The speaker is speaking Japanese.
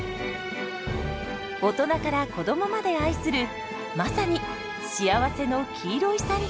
大人から子どもまで愛するまさに「幸せの黄色いサンドイッチ」です。